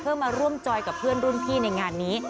เพื่อมาร่วมจอยกับเพื่อนรุ่นพี่ในงานนี้